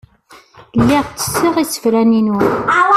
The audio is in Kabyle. Lliɣ ttesseɣ isafaren-inu.